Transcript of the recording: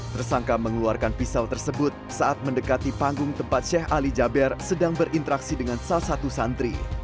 tersangka mengeluarkan pisau tersebut saat mendekati panggung tempat sheikh ali jaber sedang berinteraksi dengan salah satu santri